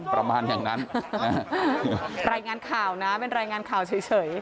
ประมาณอย่างนั้นรายงานข่าวนะเป็นรายงานข่าวเฉย